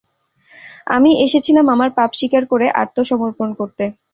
আমি এসেছিলাম আমার পাপ স্বীকার করে আত্মসমর্পণ করতে।